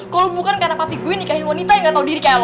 kalau bukan karena papi gue nikahin wanita yang gak tahu diri kamu